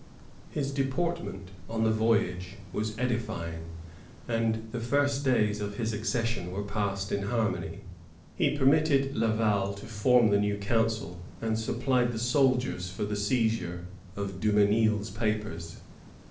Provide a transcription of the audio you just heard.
His deportment on the voyage was edifying, and the first days of his accession were passed in harmony. He permitted Laval to form the new council, and supplied the soldiers for the seizure of Dumesml's papers.